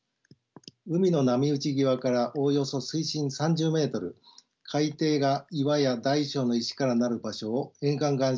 海の波打ち際からおおよそ水深３０ｍ海底が岩や大小の石から成る場所を沿岸岩礁域と呼びます。